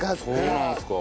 そうなんですか。